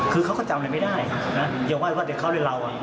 คือเขาก็จำอะไรไม่ได้นะอย่าว่าว่าเดี๋ยวเขาเลยเล่าอ่ะ